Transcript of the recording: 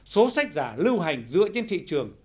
số sách giả lưu hành dựa trên thị trường